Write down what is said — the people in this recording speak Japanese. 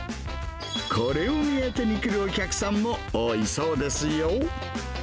これ目当てに来るお客さんも多いそうですよ。